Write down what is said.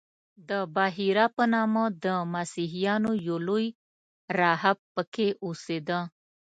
د بحیرا په نامه د مسیحیانو یو لوی راهب په کې اوسېده.